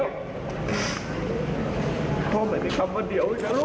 คือคุณพ่อก็พยายามเล่นจนจบเพลงอฮะ